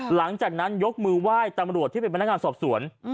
หลังจากนั้นยกมือไหว้ตำรวจที่เป็นพนักงานสอบสวน